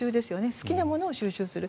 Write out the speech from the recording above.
好きなものを収集する。